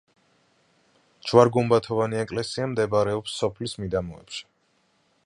ჯვარ-გუმბათოვანი ეკლესია მდებარეობს სოფლის მიდამოებში.